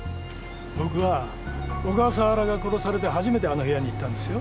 僕は小笠原が殺されて初めてあの部屋に行ったんですよ。